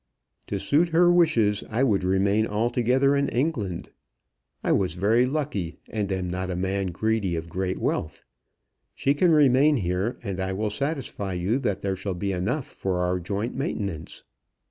"To suit her wishes I would remain altogether in England. I was very lucky, and am not a man greedy of great wealth. She can remain here, and I will satisfy you that there shall be enough for our joint maintenance."